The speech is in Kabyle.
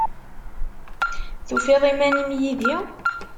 Tufiḍ iman-im yid-i?